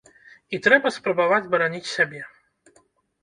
І трэба спрабаваць бараніць сябе.